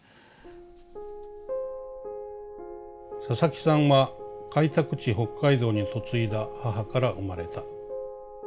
「佐々木さんは開拓地・北海道に嫁いだ母から生まれた。